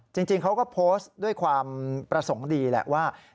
จริงเขาก็โพสต์ด้วยความประสงค์ดีแหละว่า